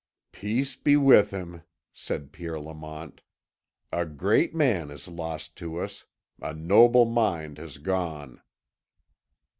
"Peace be with him," said Pierre Lamont. "A great man is lost to us a noble mind has gone."